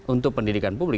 untuk pendidikan publik